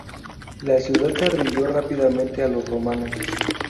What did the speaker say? La ciudad se rindió rápidamente a los romanos.